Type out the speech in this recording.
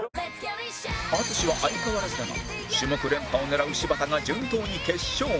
淳は相変わらずだが種目連覇を狙う柴田が順当に決勝へ